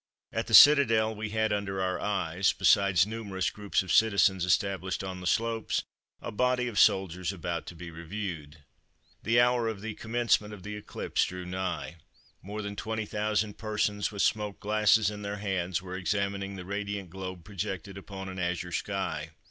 At the citadel we had under our eyes, besides numerous groups of citizens established on the slopes, a body of soldiers about to be reviewed. "The hour of the commencement of the eclipse drew nigh. More than twenty thousand persons, with smoked glasses in their hands, were examining the radiant globe projected upon an azure sky.